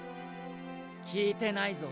聞いてないぞ。